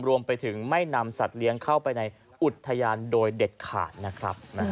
รวมไปถึงไม่นำสัตว์เลี้ยงเข้าไปในอุทยานโดยเด็ดขาดนะครับ